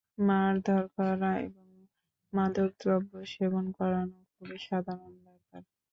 মারধর করা এবং মাদকদ্রব্য সেবন করানো খুবই সাধারণ ব্যাপার।